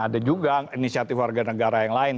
ada juga inisiatif warga negara yang lain